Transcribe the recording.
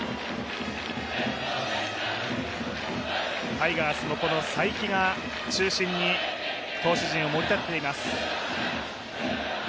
タイガースも才木が中心に投手陣をもり立てています。